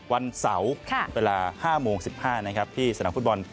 วันเสาร์เวลา๕โมง๑๕ที่สนับฟุตบอล